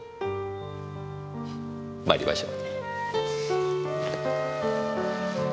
参りましょう。